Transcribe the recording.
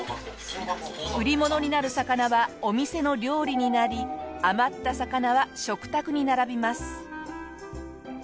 売り物になる魚はお店の料理になり余った魚は食卓に並びます。